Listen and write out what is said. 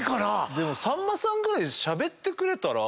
でもさんまさんぐらいしゃべってくれたら。